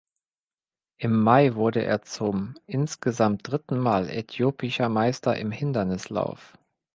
Im Mai wurde er zum insgesamt dritten Mal äthiopischer Meister im Hindernislauf.